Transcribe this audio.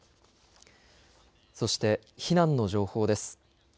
そして避難の情報です。